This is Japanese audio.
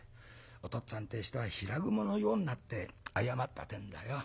お父っつぁんってえ人はひらぐものようになって謝ったってえんだよ。